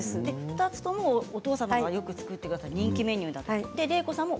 ２つともお父様がよく作ってくださった人気メニューだと。